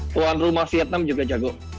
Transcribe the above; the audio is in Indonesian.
tuan rumah vietnam juga jago